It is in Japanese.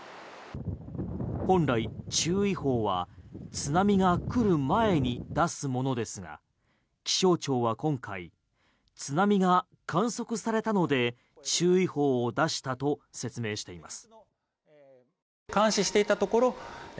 本来、注意報は津波が来る前に出すものですが気象庁は今回津波が観測されたので注意報を出したと説明しています。